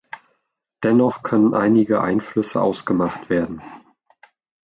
Dennoch können einige Einflüsse ausgemacht werden.